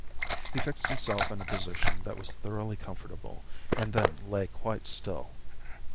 He fixed himself in a position that was thoroughly comfortable, and then lay quite still.